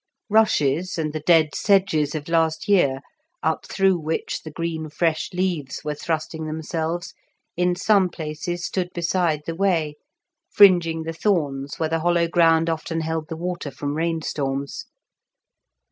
Rushes, and the dead sedges of last year, up through which the green fresh leaves were thrusting themselves, in some places stood beside the way, fringing the thorns where the hollow ground often held the water from rainstorms.